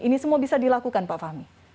ini semua bisa dilakukan pak fahmi